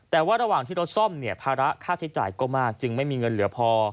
แต่ว่าระหว่างที่รถซ่อมเนี่ยภาระค่าใช้จ่ายก็มากจึงไม่มีเงินเหลือพอ